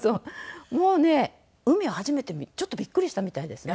もうね海を初めて見るちょっとビックリしたみたいです。